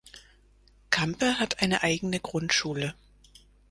Campe hat eine eigene Grundschule.